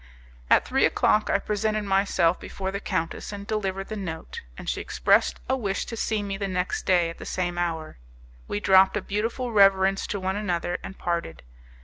At three o'clock I presented myself before the countess and delivered the note, and she expressed a wish to see me the next day at the same hour. We dropped a beautiful reverence to one another, and parted.